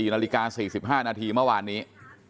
๔นาฬิกา๔๕นาทีเมื่อวานนี้